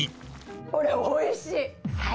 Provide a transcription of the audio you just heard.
これ、おいしい。